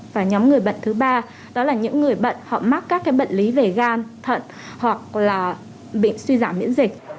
và nhóm người bệnh thứ ba đó là những người bệnh họ mắc các cái bệnh lý về gan thận hoặc là bị suy giảm miễn dịch